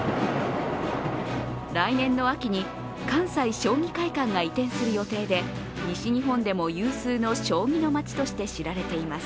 来年の秋に関西将棋会館が移転する予定で西日本でも有数の将棋のまちとして知られています。